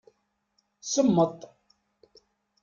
Semmeṭ.